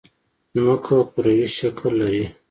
ځمکه کوروي شکل لري